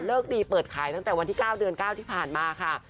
ดีเปิดขายตั้งแต่วันที่๙เดือน๙ที่ผ่านมาค่ะ